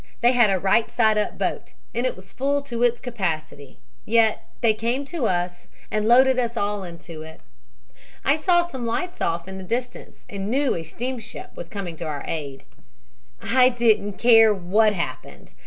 They had a right side up boat, and it was full to its capacity. Yet they came to us and loaded us all into it. I saw some lights off in the distance and knew a steamship was coming to our aid. "I didn't care what happened.